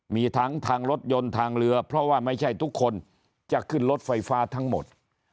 มีทั้งทางรถยนต์ทางเรือเพราะว่าไม่ใช่ทุกคนจะขึ้นรถไฟฟ้าทั้งหมด